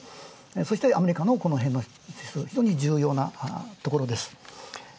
そしてアメリカのこのへんが重要なところです